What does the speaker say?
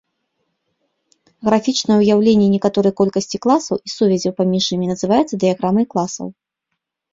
Графічнае ўяўленне некаторай колькасці класаў і сувязяў паміж імі называецца дыяграмай класаў.